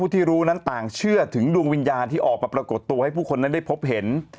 ที่รู้นั้นต่างเชื่อถึงดวงวิญญาณที่ออกมาปรากฏตัวให้ผู้คนนั้นได้พบเห็น